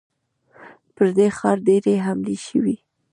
پر دې ښار ډېرې حملې شوي.